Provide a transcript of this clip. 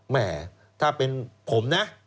แม่ถ้าเป็นผมนะ